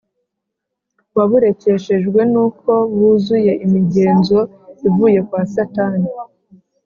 waburekeshejwe n uko buzuye imigenzo ivuye kwa satani